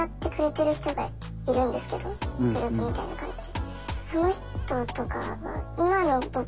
例えばグループみたいな感じで。